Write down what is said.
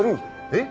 えっ？